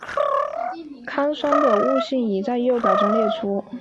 糠醛的物性已在右表中列出。